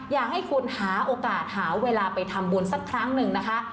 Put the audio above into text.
อยากให้คุณหาโอกาสหาเวลาไปทำบุญสักครั้งหนึ่งนะคะ